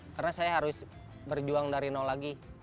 karena saya harus berjuang dari nol lagi